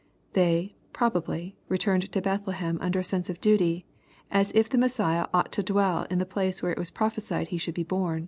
They, probably, returned to Bethlehem under a sense of duty, as if the Messiah ought to dwell in the place where it was prophesied He should be bom.